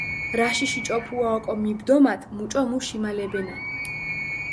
რაშიში ჭოფუა ოკო მიბდომათ მუჭო მუ შიმალებენანი.